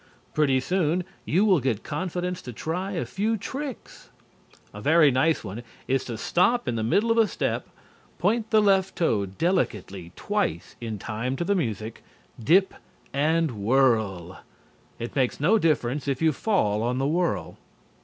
Pretty soon you will get confidence to try a few tricks. A very nice one is to stop in the middle of a step, point the left toe delicately twice in time to the music, dip, and whirl. It makes no difference if you fall on the whirl.